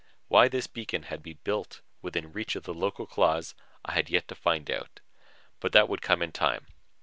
Why this beacon had been built within reach of the local claws, I had yet to find out. But that would come in time.